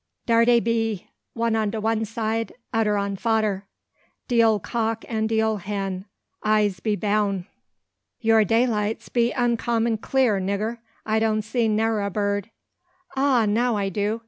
Dar dey be, one on de one side, odder on fodder, de ole cock an' de ole hen, I'se be boun!" "Your daylights be uncommon clear, nigger. I don't see ne'er a bird Ah, now I do!